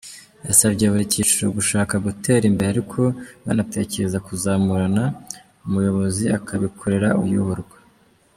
Yasabye buri cyiciro gushaka gutera imbere ariko banatekereza kuzamurana, umuyobozi akabikorera uyoborwa.